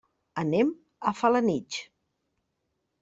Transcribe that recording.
Anem a Felanitx.